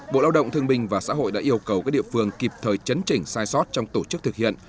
bộ lao động thương bình và xã hội đã yêu cầu các địa phương kịp thời chấn chỉnh sai sót trong tổ chức thực hiện